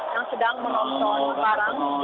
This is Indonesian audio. yang sedang menonton